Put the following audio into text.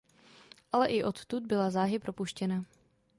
Ale i odtud byla záhy propuštěna.